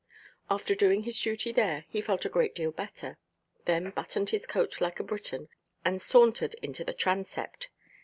After doing his duty there, he felt a great deal better; then buttoned his coat like a Briton, and sauntered into the transept.